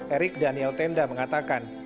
erik daniel tenda mengatakan